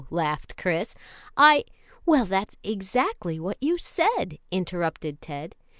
laughed Chris; "I " "Well, that's exactly what you said," interrupted Ted.